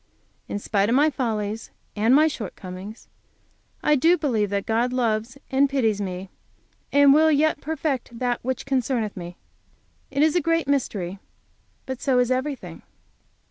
In spite of my follies and my shortcomings, I do believe that God loves and pities me, and will yet perfect that which concerneth me. It is a great mystery. But so is everything.